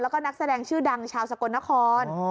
แล้วก็นักแสดงชื่อดังชาวสกลนคร